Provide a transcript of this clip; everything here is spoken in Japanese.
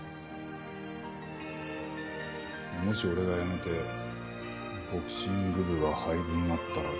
もし俺が辞めてボクシング部が廃部になったら。